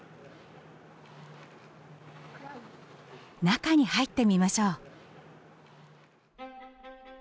中に入ってみましょう。